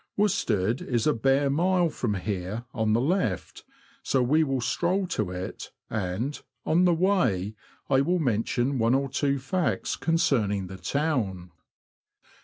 Worstead is a bare mile from here, on the left, so we will stroll to it, and, on the way, I will mention one or two facts concerning the town.